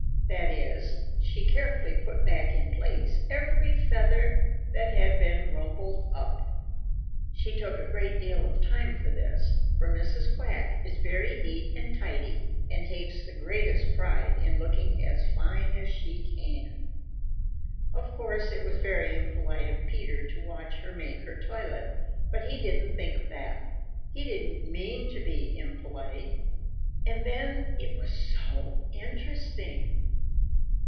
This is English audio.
That is, she carefully put back in place every feather that had been rumpled up. She took a great deal of time for this, for Mrs. Quack is very neat and tidy and takes the greatest pride in looking as fine as she can. Of course it was very impolite of Peter to watch her make her toilet, but he didn't think of that. He didn't mean to be impolite. And then it was so interesting.